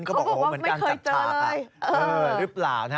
ก็บอกว่าเหมือนการจักรชาหรือเปล่า